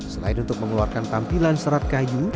selain untuk mengeluarkan tampilan serat kayu